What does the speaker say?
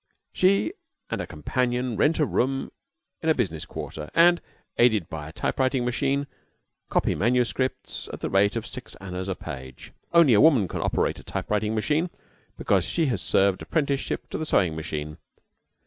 She and a companion rent a room in a business quarter, and, aided by a typewriting machine, copy MSS. at the rate of six annas a page. Only a woman can operate a typewriting machine, because she has served apprenticeship to the sewing machine.